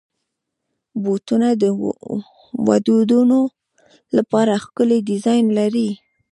بوټونه د ودونو لپاره ښکلي ډیزاین لري.